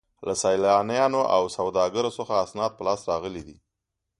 له سیلانیانو او سوداګرو څخه اسناد په لاس راغلي دي.